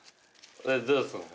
どうすんの？